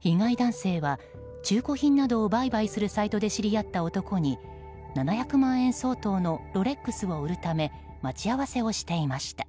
被害男性は中古品などを売買するサイトで知り合った男に７００万円相当のロレックスを売るため待ち合わせをしていました。